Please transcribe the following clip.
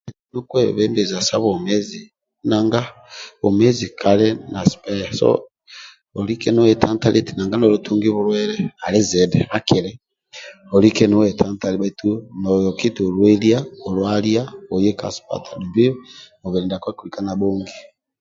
Ali kulungi kwebembeza sa bwomezi nanga bwomezi kali na sipeya so olike nowe tantali oti nolotungi bulwaye ali zidhi akili olike nowe tantali tu noski oti olwalia olwalia oye ka sipatala dumbi uwe ndiako akilika nabhongi